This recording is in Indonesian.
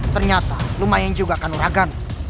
ternyata lumayan juga kanuragan